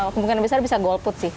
kemungkinan besar bisa golput sih